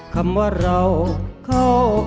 คำว่าเราเข้า